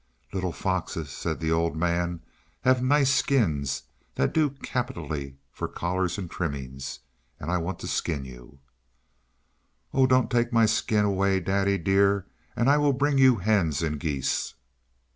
"Little foxes," said the old man, "have nice skins that do capitally for collars and trimmings, and I want to skin you!" "Oh! Don't take my skin away, daddy dear, and I will bring you hens and geese."